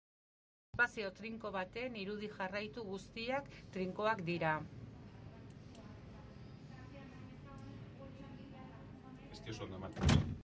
Espazio trinko baten irudi jarraitu guztiak trinkoak dira.